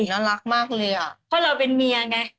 น่ารักมากเลยอ่ะเพราะเราเป็นเมียไง